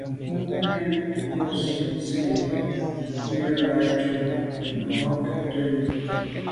Bwɔ́ŋkə́’ nɛ̀n cɔ́sì ndʉ sɛ́ɛ̀nî ndɛ́mbə̄ júp màmá cúptə́ úp.